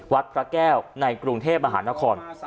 วัดพระแก้วในกรุงเทพมหานคร